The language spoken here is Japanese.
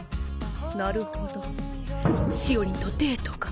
なるほどしおりんとデートか。